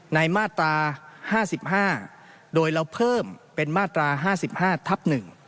มาตรา๕๕โดยเราเพิ่มเป็นมาตรา๕๕ทับ๑